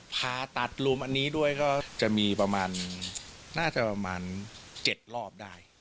ผ่าตัดลุมอันนี้ด้วยก็จะมีประมาณน่าจะประมาณ๗รอบได้